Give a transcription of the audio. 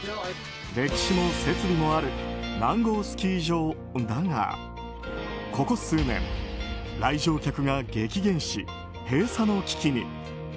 歴史も設備もある南郷スキー場だがここ数年、来場客が激減し閉鎖の危機に。